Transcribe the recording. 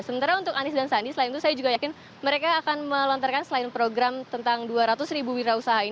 sementara untuk anies dan sandi selain itu saya juga yakin mereka akan melontarkan selain program tentang dua ratus ribu wira usaha ini